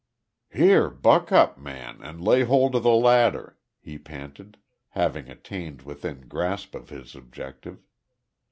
"Here, buck up, man, and lay hold of the ladder," he panted, having attained within grasp of his objective.